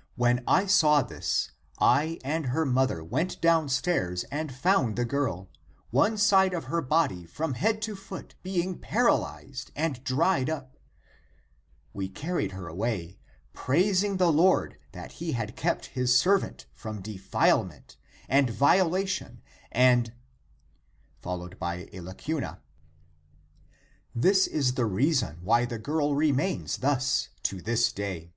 " When I saw this, I and her mother went down stairs and found the girl, one side of her body from head to foot being paralyzed and dried up. We car ried her away, praising the Lord that he had kept his servant from defilement and violation and ... This is the reason why the girl < remains > thus to this day.